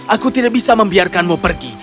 aku tidak bisa membiarkanmu pergi